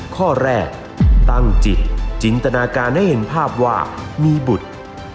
ข้อแรกตั้งจิตจินตนาการให้เห็นภาพว่ามีบุตร